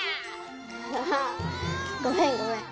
ああごめんごめん。